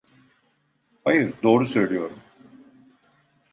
Hayır, doğru söylüyorum.